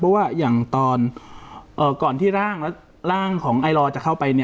เพราะว่าอย่างตอนก่อนที่ร่างของไอรอจะเข้าไป